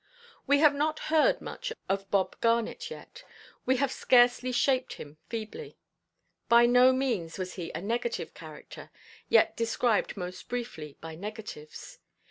We have not heard much of Bob Garnet yet; we have scarcely shaped him feebly; by no means was he a negative character, yet described most briefly by negatives.